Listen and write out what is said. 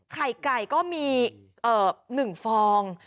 ไข่ไก่ก็มี๑ฟอง